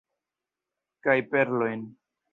Kaj perlojn.